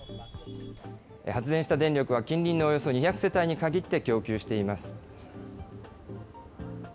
発電した電力は、近隣のおよそ２００世帯に限って供給しています。